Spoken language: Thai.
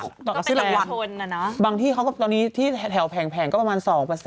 ก็เป็นประวัติชนอ่ะนะบางที่เขาก็ตอนนี้ที่แถวแผงก็ประมาณ๒